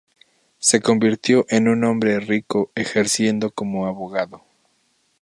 Se convirtió en un hombre rico ejerciendo como abogado.